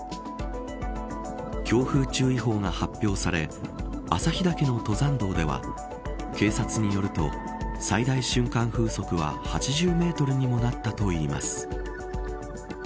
強風注意報が発表され朝日岳の登山道では警察によると最大瞬間風速は８０メートルにもなったといいます。